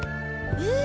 えっ！？